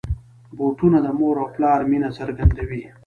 بوټونه د مور او پلار مینه څرګندوي.